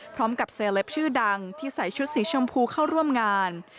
สำหรับเซลปชื่อดังที่ใส่ชุดสีชมพูเข้าร่วมงาน